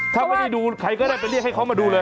ถ้าไม่ได้ดูใครก็ได้ไปเรียกให้เขามาดูเลย